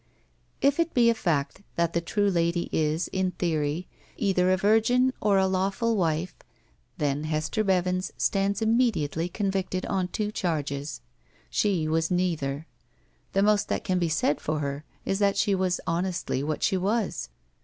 If it be a fact that the true lady is, in theory, either a virgin or a lawful wife, then Hester Bevins stands immediately convicted on two charges. She was neither. The most that can be said for her is that she was honestly what she was.